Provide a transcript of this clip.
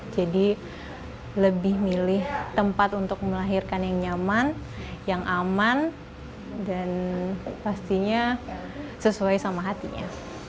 jadi lebih milih tempat untuk melahirkan yang nyaman yang aman dan pastinya sesuai sama hatinya